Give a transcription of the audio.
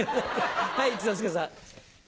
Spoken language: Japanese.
はい一之輔さん。